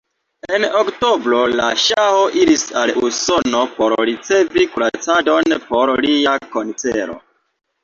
En oktobro la ŝaho iris al Usono por ricevi kuracadon por lia kancero.